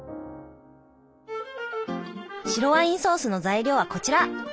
白ワインソースの材料はこちら！